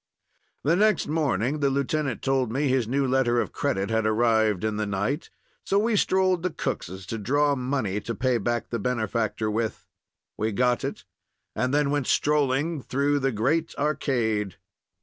The next morning the lieutenant told me his new letter of credit had arrived in the night, so we strolled to Cook's to draw money to pay back the benefactor with. We got it, and then went strolling through the great arcade.